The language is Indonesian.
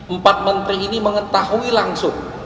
empat menteri ini mengetahui langsung